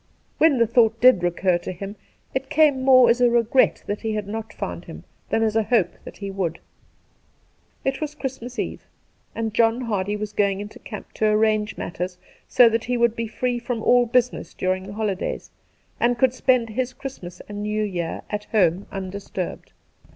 When the thought did recur to him it came more as a regret that he had not found him than as a hope that he would. It was Christmas Eve, and John Hardy was going into camp to arrange matters so that he would be free from all business during the holi days and could spend his Christmas and New Year at home undisturbed.